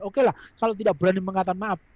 oke lah kalau tidak berani mengatakan maaf